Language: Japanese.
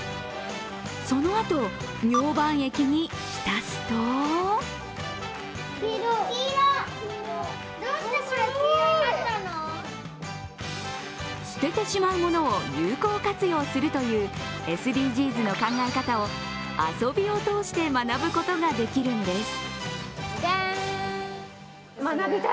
そのあと、みょうばん液にひたすと捨ててしまうものを有効活用するというＳＤＧｓの考え方を遊びを通して学ぶことができるんです。